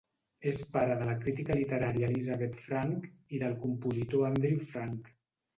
És pare de la crítica literària Elizabeth Frank i del compositor Andrew Frank.